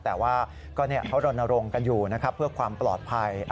แต่ว่าเขารณรงค์กันอยู่นะครับเพื่อความปลอดภัย